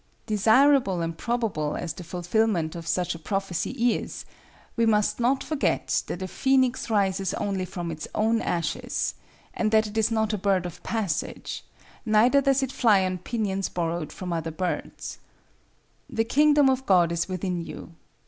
Desirable and probable as the fulfilment of such a prophecy is, we must not forget that a phoenix rises only from its own ashes, and that it is not a bird of passage, neither does it fly on pinions borrowed from other birds. "The Kingdom of God is within you."